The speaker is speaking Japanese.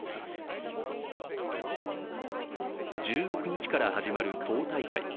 １６日から始まる党大会。